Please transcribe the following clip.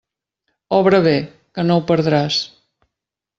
Obra bé, que no ho perdràs.